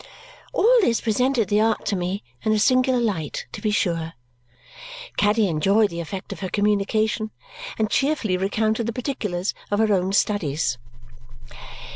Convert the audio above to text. All this presented the art to me in a singular light, to be sure. Caddy enjoyed the effect of her communication and cheerfully recounted the particulars of her own studies.